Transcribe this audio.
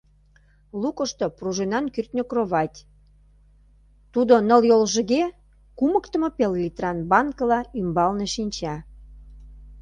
Лукышто пружинан кӱртньӧ кровать, тудо ныл йолжыге кумыктымо пеллитран банкыла ӱмбалне шинча.